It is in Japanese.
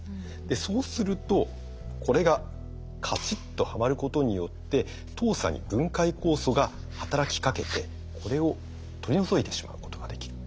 そうするとこれがカチッとはまることによって糖鎖に分解酵素が働きかけてこれを取り除いてしまうことができる。